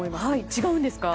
違うんですか？